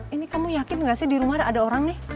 ini kamu yakin gak sih di rumah ada orang nih